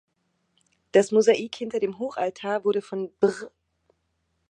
Das Mosaik hinter dem Hochaltar wurde von Br.